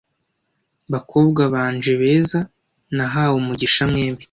Bakobwa banje beza, nahawe umugisha mwembi ...